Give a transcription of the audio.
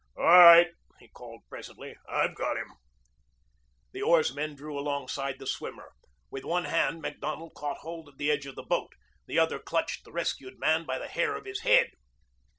"All right," he called presently. "I've got him." The oarsmen drew alongside the swimmer. With one hand Macdonald caught hold of the edge of the boat. The other clutched the rescued man by the hair of his head.